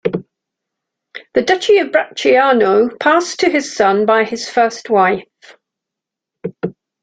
The duchy of Bracciano passed to his son by his first wife.